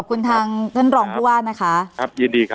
ข้าสวัสดีค่ะ